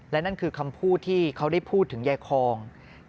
และนั่นคือคำพูดที่เขาได้พูดถึงยายคอง